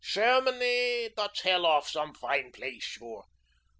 Shairmany, dot's hell oaf some fine plaice, sure.